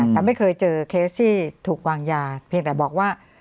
แต่ไม่เคยเจอเคสที่ถูกวางยาเพียงแต่บอกว่า